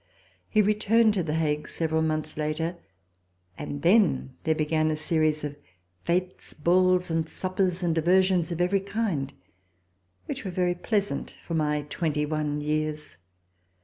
He returned to The Hague several months later, and then there began a series of fetes, balls and suppers, and diversions of every kind, which were very pleasant for my twenty one years.